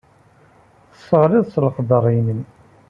Tesseɣliḍ s leqder-nnem.